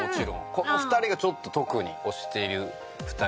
この２人がちょっと特に推している２人でございますね。